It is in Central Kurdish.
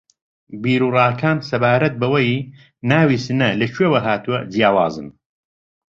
بیر و ڕاکان سەبارەت بەوەی ناوی سنە لە کوێوە ھاتووە جیاوازن